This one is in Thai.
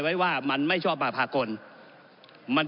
ก็ได้มีการอภิปรายในภาคของท่านประธานที่กรกครับ